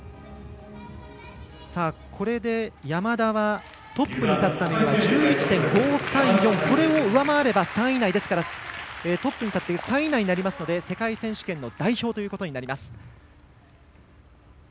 これで山田はトップに立つためには１１．５３４を上回れば３位以内ですから３位以内になりますので世界選手権の代表ということになります。